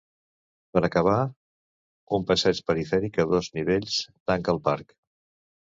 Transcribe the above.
Per acabar, un passeig perifèric a dos nivells tanca el parc.